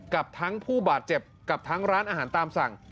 กับทั้งผู้บาดเจ็บกับทั้งร้านอาหารตามสั่ง